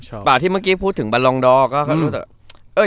แต่ว่าที่เมื่อกี้พูดถึงบาลองดอร์ก็รู้สึกว่า